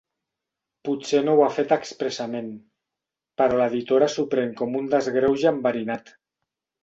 Potser no ho ha fet expressament, però l'editora s'ho pren com un desgreuge enverinat.